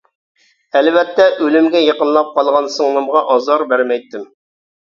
ئەلۋەتتە ئۆلۈمگە يېقىنلاپ قالغان سىڭلىمغا ئازار بەرمەيتتىم.